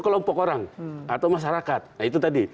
kelompok orang atau masyarakat nah itu tadi